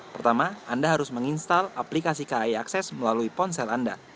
pertama anda harus menginstal aplikasi kai akses melalui ponsel anda